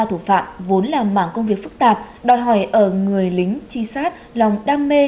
thủ phạm vốn là mảng công việc phức tạp đòi hỏi ở người lính trinh sát lòng đam mê